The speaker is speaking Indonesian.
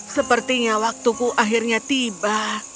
sepertinya waktuku akhirnya tiba